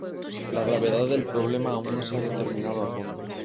La gravedad del problema aún no se ha determinado a fondo.